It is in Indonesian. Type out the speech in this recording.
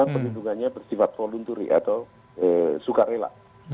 perlindungannya bersifat volunteri atau sukarela